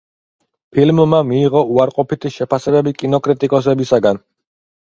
ფილმმა მიიღო უარყოფითი შეფასებები კინოკრიტიკოსებისგან.